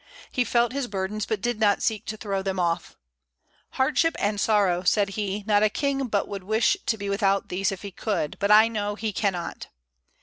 He felt his burdens, but did not seek to throw them off. "Hardship and sorrow," said he, "not a king but would wish to be without these if he could; but I know he cannot."